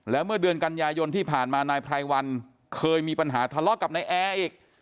แล้วเมื่อเดือนกันยายนที่ผ่านมานายไพรวันเคยมีปัญหาทะเลาะกับนายแอร์อีก